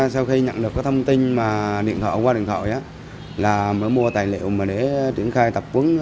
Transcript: sau khi nhận được thông tin mà điện thoại qua điện thoại là mới mua tài liệu để triển khai tập huấn